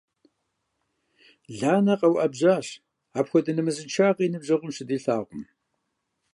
Ланэ къэуӀэбжьащ, апхуэдэ нэмысыншагъэ и ныбжьэгъум щыдилъагъум.